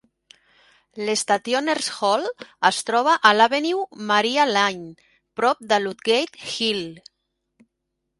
L'Stationer's Hall es troba a l'Avenue Maria Lane, prop de Ludgate Hill.